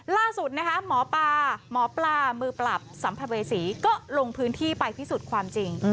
ล่าสุดนะคะหมอปลาหมอปลามือปรับสัมภเวษีก็ลงพื้นที่ไปพิสูจน์ความจริง